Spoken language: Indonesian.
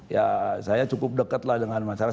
ya saya cukup dekat lah dengan masyarakat